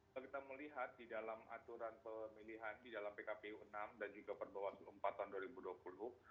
kalau kita melihat di dalam aturan pemilihan di dalam pkpu enam dan juga perbawah empat tahun dua ribu dua puluh